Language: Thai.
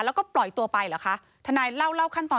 แล้วก็ปล่อยตัวไปเหรอคะทนายเล่าเล่าขั้นตอน